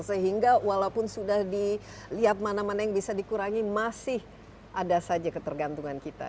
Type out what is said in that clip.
sehingga walaupun sudah dilihat mana mana yang bisa dikurangi masih ada saja ketergantungan kita